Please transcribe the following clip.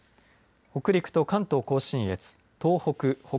北陸と関東甲信越、東北